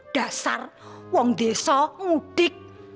dasar wong desa ngudik